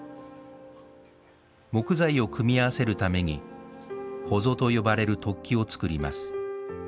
木材を組み合わせるために「ほぞ」と呼ばれる突起を作ります。